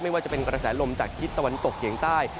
ว่าจะเป็นกระแสลมจากทิศตะวันตกเฉียงใต้